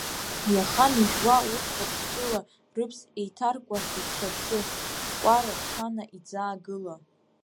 Иахан ижәуа урҭ уаԥсҵәыла, Рыԥс еиҭаркуан икшарцы, кәара шана иӡаагыла…